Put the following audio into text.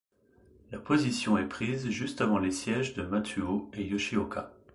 La position est prise juste avant les sièges de Matsuo et Yoshioka.